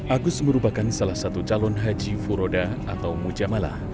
agus merupakan salah satu calon haji furoda atau mujamalah